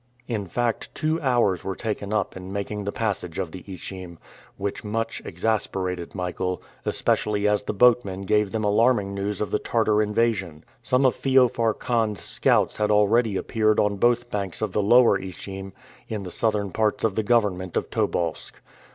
In fact, two hours were taken up in making the passage of the Ichim, which much exasperated Michael, especially as the boatmen gave them alarming news of the Tartar invasion. Some of Feofar Khan's scouts had already appeared on both banks of the lower Ichim, in the southern parts of the government of Tobolsk.